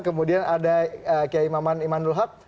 kemudian ada kiai imaman imanul had